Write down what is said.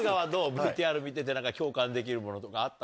ＶＴＲ見てて共感できるものとかあった？